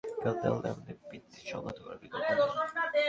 তিন ফরম্যাটের ক্রিকেটেই ভালো খেলতে হলে আমাদের ভিত্তি সংহত করার বিকল্প নেই।